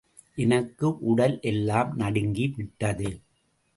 எனக்கு உடல் எல்லாம் நடுங்கிவிட்டது.